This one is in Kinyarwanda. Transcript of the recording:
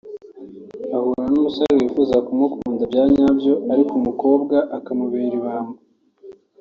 ahura n’umusore wifuza kumukunda bya nyabyo ariko umukobwa akammubera ibamba